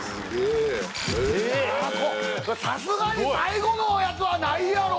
さすがに最後のやつはないやろ。